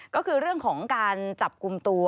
ก็คือเรื่องของการจับกลุ่มตัว